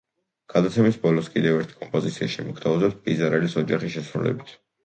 გადაცემის ბოლოს კიდევ ერთ კომპოზიციას შემოგთავაზებთ პიზარელის ოჯახის შესრულებით.